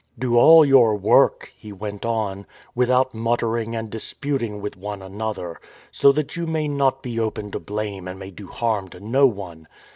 " Do all your work," he went on, " without mut tering and disputing with one another; so that you may not be open to blame and may do harm to no one.